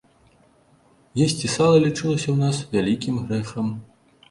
Есці сала лічылася ў нас вялікім грэхам.